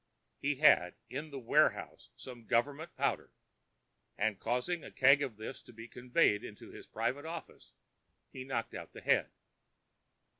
He had in the warehouse some Government powder, and causing a keg of this to be conveyed into his private office, he knocked out the head.